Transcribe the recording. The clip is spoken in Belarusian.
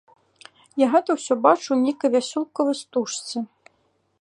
Я гэта ўсё бачу ў нейкай вясёлкавай стужцы.